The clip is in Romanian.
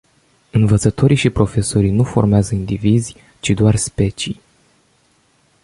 Învățătorii și profesorii nu formează indivizi, ci doar specii.